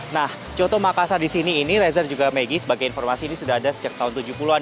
nah coto makassar di sini ini reza dan juga maggie sebagai informasi ini sudah ada sejak tahun tujuh puluh an